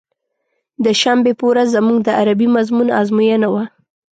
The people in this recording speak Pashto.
د شنبې په ورځ زموږ د عربي مضمون ازموينه وه.